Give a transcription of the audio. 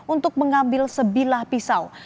untuk mengambil sebilah pisau